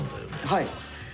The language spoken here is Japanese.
はい。